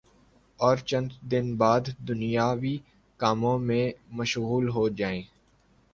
اور چند دن بعد دنیاوی کاموں میں مشغول ہو جائیں